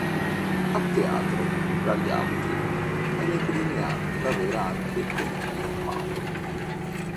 A teatro tra gli altri e nei primi anni lavora anche con Pino Mauro.